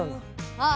ああ。